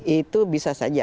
itu bisa saja